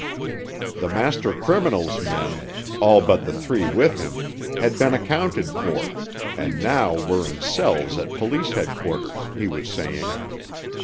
The master criminal's men, all but the three with him, had been accounted for, and now were in cells at police headquarters, he was saying.